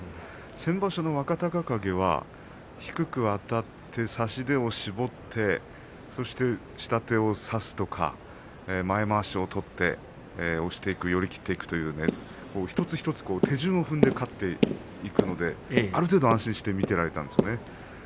先場所の若隆景は低くあたって差し手を絞ってそして、下手を差すとか前まわしを取って押していく寄り切っていくという一つ一つ手順を踏んで勝っていくので、ある程度安心して見ていられたんですよね。